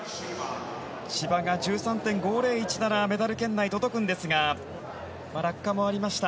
千葉が１３．５０１ならメダル圏内に届くんですが落下もありました。